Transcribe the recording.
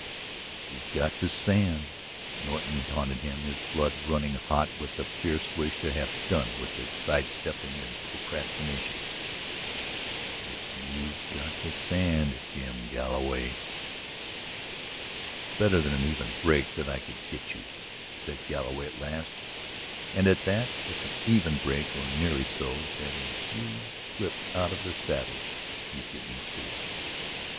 "If you've got the sand!" Norton taunted him, his blood running hot with the fierce wish to have done with sidestepping and procrastination. "If you've got the sand, Jim Galloway!" "It's better than an even break that I could get you," said Galloway at last. "And, at that, it's an even break or nearly so, that as you slipped out of the saddle you'd get me, too. ...